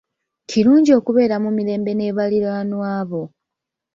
Kirungi okubeera mu mirembe ne baliraanwa bo.